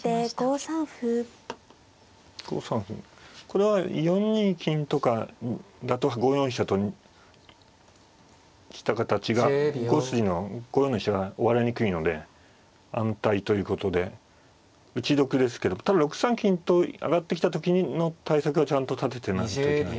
これは４二金とかだと５四飛車とした形が５筋の５四の飛車が追われにくいので安泰ということで打ち得ですけどただ６三金と上がってきた時の対策がちゃんと立ててないといけないですね。